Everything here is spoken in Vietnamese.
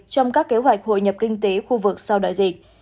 trong các kế hoạch hội nhập kinh tế khu vực sau đại dịch